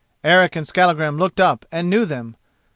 Eric and Skallagrim looked up and knew them.